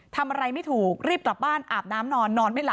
ทำอะไรไม่ถูกรับบ้านอาบน้ำนอน